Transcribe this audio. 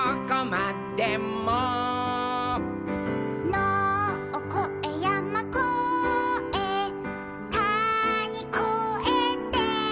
「のをこえやまこえたにこえて」